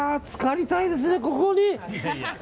つかりたいですね、ここに。